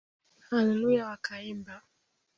Haleluya wakaimba.